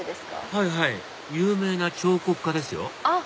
はいはい有名な彫刻家ですよあっ